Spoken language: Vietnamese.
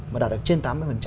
mà đạt được trên tám mươi